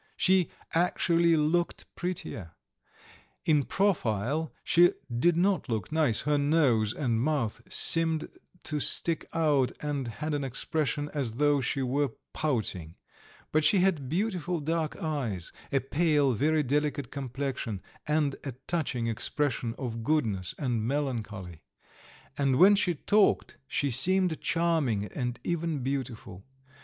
She actually looked prettier. In profile she did not look nice; her nose and mouth seemed to stick out and had an expression as though she were pouting, but she had beautiful dark eyes, a pale, very delicate complexion, and a touching expression of goodness and melancholy, and when she talked she seemed charming and even beautiful.